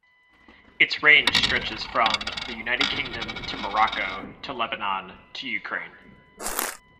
Its range stretches from the United Kingdom to Morocco to Lebanon to Ukraine.